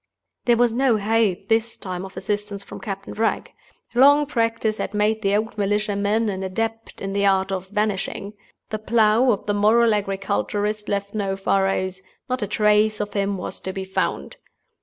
There was no hope, this time, of assistance from Captain Wragge. Long practice had made the old militia man an adept in the art of vanishing. The plow of the moral agriculturist left no furrows—not a trace of him was to be found!